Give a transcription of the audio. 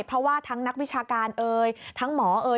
เพราะว่าทั้งนักวิชาการทั้งหมอ